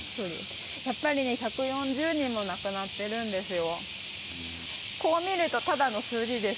やっぱり１４０人も亡くなってるんですよ。